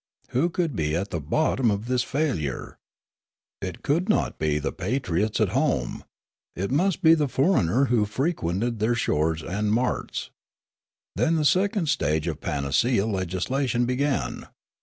Who could be at the bot tom of this failure ? It could not be the patriots at home. It must be the foreigner who frequented their shores and marts. Then the second stage of panacea legislation began.